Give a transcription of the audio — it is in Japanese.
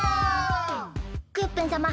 クヨッペンさま